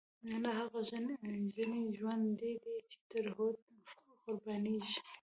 لا هغه ژڼۍ ژوندۍ دی، چی تر هوډه قربانیږی